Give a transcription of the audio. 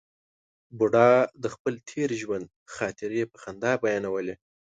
بوډا د خپل تېر ژوند خاطرې په خندا بیانولې.